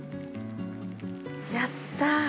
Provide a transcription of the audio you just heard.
やった！